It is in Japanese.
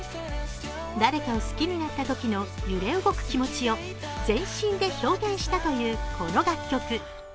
誰かを好きになったときの揺れ動く気持ちを全身で表現したというこの楽曲。